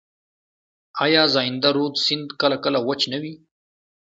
آیا زاینده رود سیند کله کله وچ نه وي؟